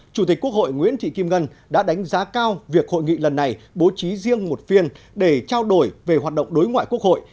chủ tịch quốc hội nguyễn thị kim ngân đã đánh giá cao việc hội nghị lần này bố trí riêng một phiên để trao đổi về hoạt động đối ngoại quốc hội